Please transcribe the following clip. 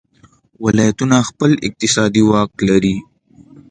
ولایتونه خپل اقتصادي واک لري.